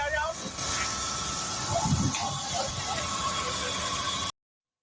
เดี๋ยว